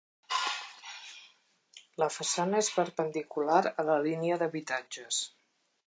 La façana és perpendicular a la línia d'habitatges.